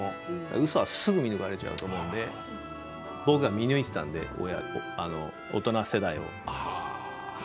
うそはすぐにバレちゃうと思うので僕が見抜いていたので大人世代を。